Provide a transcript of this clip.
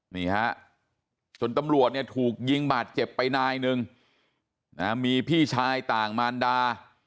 นี่ฮะจนตำรวจเนี่ยถูกยิงบาดเจ็บไปนายหนึ่งนะมีพี่ชายต่างมารดา